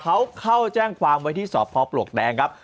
เขาเข้าแจ้งความไว้ที่สพปลวกแดงครับ